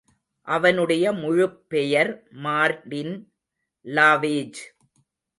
அவனுடைய முழுப்பெயர் Martin lavage.